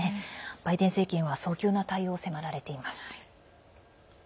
バイデン政権は早急な対応を迫られています。